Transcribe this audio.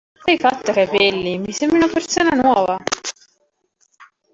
Cosa hai fatto ai capelli? Mi sembri una persona nuova!